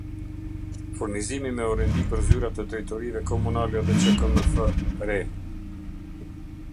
Furnizimi me orendi për zyra të drejtorive komunale dhe qkmf-re